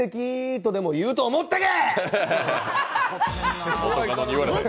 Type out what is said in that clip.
とてでも言うと思ったか！